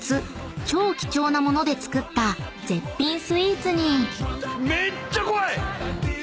超貴重な物で作った絶品スイーツに］